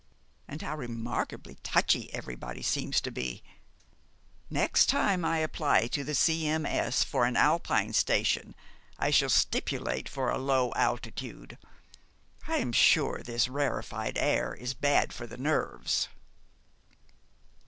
And how remarkably touchy everybody seems to be. Next time I apply to the C.M.S. for an Alpine station, I shall stipulate for a low altitude. I am sure this rarefied air is bad for the nerves."